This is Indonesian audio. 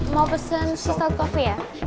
mau pesen sisa coffe ya